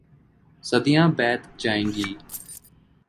صدیاں بیت جائیں گی۔